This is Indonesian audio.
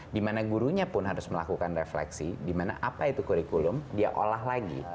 dimana gurunya pun harus melakukan refleksi di mana apa itu kurikulum dia olah lagi